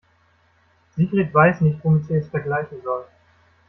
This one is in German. Sigrid weiß nicht, womit sie es vergleichen soll.